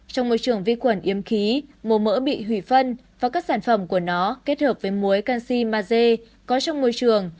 trong môi trường vi khuẩn yếm khí mô mỡ bị hủy phân và các sản phẩm của nó kết hợp với muối canxi maze có trong môi trường